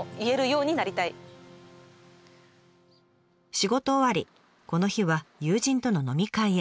仕事終わりこの日は友人との飲み会へ。